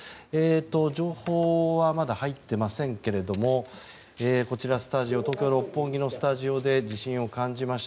情報はまだ入っていませんけれどもこちら、スタジオ東京・六本木のスタジオで地震を感じました。